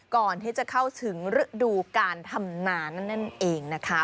ก่อนที่จะเข้าถึงฤดูการทำนานั่นเองนะคะ